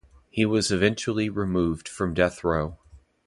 He was eventually removed from death row.